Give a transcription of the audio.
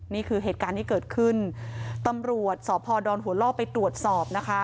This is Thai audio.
นี่คือเหตุการณ์ที่เกิดขึ้นตำรวจสพดอนหัวล่อไปตรวจสอบนะคะ